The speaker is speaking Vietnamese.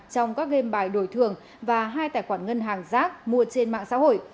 trong các game bài đổi thường và hai tài khoản ngân hàng rác mua trên mạng xã hội